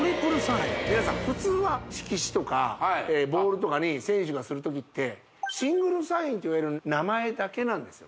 皆さん普通は色紙とかボールとかに選手がする時ってシングルサインといわれる名前だけなんですよ